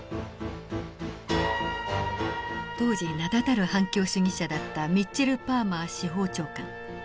当時名だたる反共主義者だったミッチェル・パーマー司法長官。